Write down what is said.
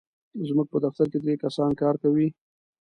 زموږ په دفتر کې درې کسان کار کوي.